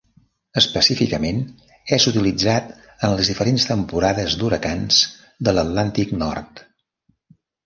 Específicament, és utilitzat en les diferents temporades d'huracans de l'Atlàntic Nord.